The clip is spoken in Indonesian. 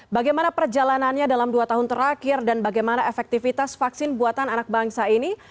bagaimana perjalanannya dalam dua tahun terakhir dan bagaimana efektivitas vaksin buatan anak bangsa ini